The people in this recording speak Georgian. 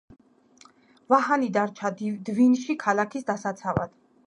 ვაჰანი დარჩა დვინში ქალაქის დასაცავად.